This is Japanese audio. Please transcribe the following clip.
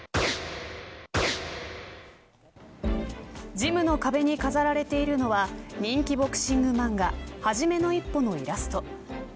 ジムの壁に飾られているのは人気ボクシング漫画はじめの一歩のイラスト。